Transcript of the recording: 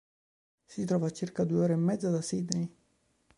Si trova a circa due ore e mezza da Sydney.